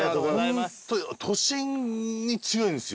都心に強いんですよ